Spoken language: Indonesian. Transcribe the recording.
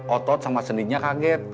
otot sama sendinya kaget